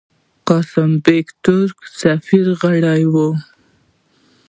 قاسم بېګ، ترکی سفیر، غړی وو.